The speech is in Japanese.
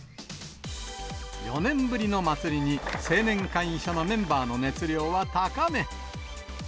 ４年ぶりの祭りに、青年会議所のメンバーの熱量は高め。